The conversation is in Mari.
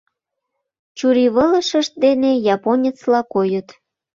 Чурийвылышышт дене японецла койыт.